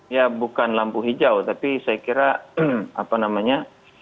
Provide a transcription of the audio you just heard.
ya bukan lampu hijau tapi saya kira apa namanya